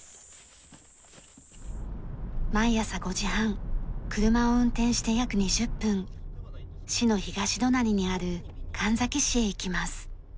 毎朝５時半車を運転して約２０分市の東隣にある神埼市へ行きます。